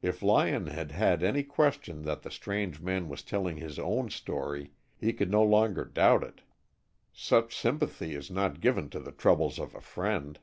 If Lyon had had any question that the strange man was telling his own story, he could no longer doubt it. Such sympathy is not given to the troubles of a friend.